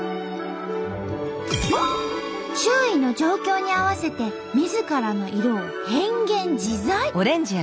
周囲の状況に合わせてみずからの色を変幻自在！